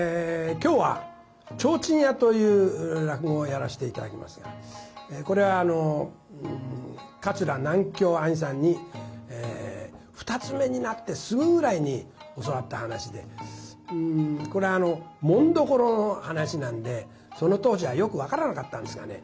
今日は「提灯屋」という落語をやらして頂きますがこれは桂南喬あにさんに二ツ目になってすぐぐらいに教わった噺でこれは紋所の噺なんでその当時はよく分からなかったんですがね